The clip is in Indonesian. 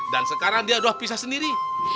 dan sekarang dia udah pisah sendiri